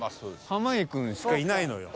濱家くんしかいないのよ。